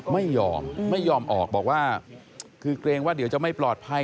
ไม่ยอมไม่ยอมออกบอกว่าคือเกรงว่าเดี๋ยวจะไม่ปลอดภัย